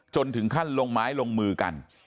จนถึงขั้นลงไม้ลงมือกัน